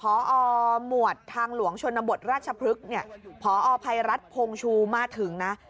พอหมวดทางหลวงชนบทราชพฤกษ์เนี่ยพอภัยรัฐพงชูมาถึงนะ